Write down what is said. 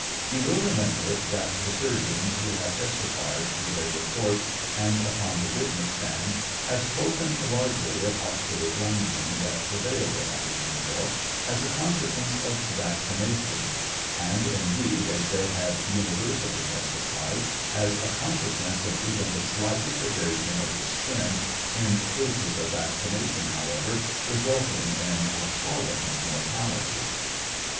You will remember that the surgeons who have testified through their reports, and upon the witness stand, have spoken largely of hospital gangrene that prevailed at Andersonville as a consequence of vac cination ; and indeed, as they have universally testified, as a consequence of TRIAL OF HENRY WIRZ. 777 ■even the sliglitest abrasion of the skin, in cases of vaccination, however, resulting in appalling mortality.